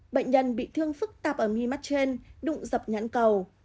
bệnh nhân bị thương phức tạp ở mi mắt trên đụng dập nhẫn cầu